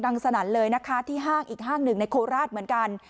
สนั่นเลยนะคะที่ห้างอีกห้างหนึ่งในโคราชเหมือนกัน